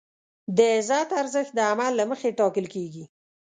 د عزت ارزښت د عمل له مخې ټاکل کېږي.